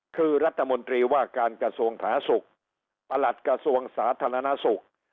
คือรัฐมนตรีว่าการกระทรวงสาธารณสุขประหลัดกระทรวงสาธารณสุข